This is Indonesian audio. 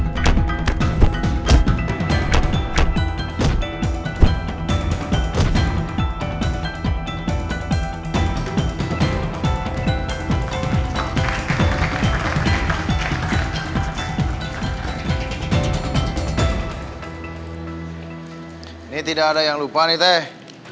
ini tidak ada yang lupa nih teh